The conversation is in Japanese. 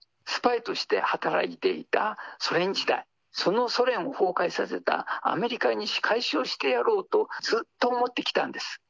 スパイとして働いていたソ連時代、そのソ連を崩壊させたアメリカに仕返しをしてやろうと、ずっと思ってきたんです。